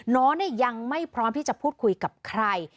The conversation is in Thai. น้องยังไม่พร้อมที่จะพูดคุยกับใคร